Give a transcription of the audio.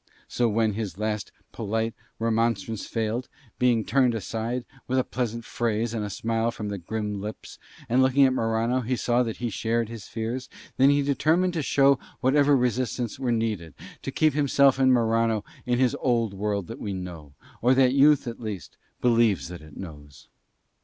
So when his last polite remonstrance failed, being turned aside with a pleasant phrase and a smile from the grim lips, and looking at Morano he saw that he shared his fears, then he determined to show whatever resistance were needed to keep himself and Morano in this old world that we know, or that youth at least believes that it knows.